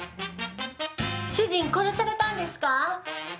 主人、殺されたんですか。